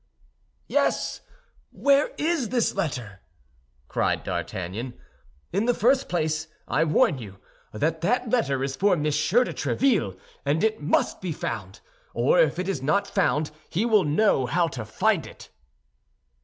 "Yes, where is this letter?" cried D'Artagnan. "In the first place, I warn you that that letter is for Monsieur de Tréville, and it must be found, or if it is not found, he will know how to find it."